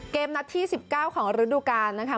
เกมนัดที่๑๙ของฤดูกาลนะคะ